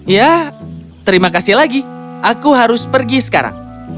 ya terima kasih lagi aku harus pergi sekarang